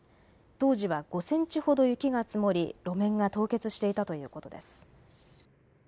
当時は５センチほど雪が積もり路面が凍結していたということです。